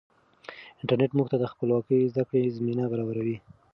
انټرنیټ موږ ته د خپلواکې زده کړې زمینه برابروي.